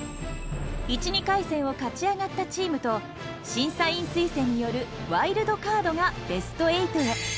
１・２回戦を勝ち上がったチームと審査員推薦による「ワイルドカード」がベスト８へ。